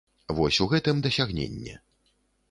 Вось у гэтым дасягненне.